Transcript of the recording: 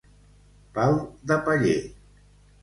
Pal de paller.